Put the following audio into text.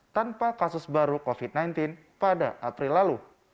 tanpa kasus baru covid sembilan belas pada april lalu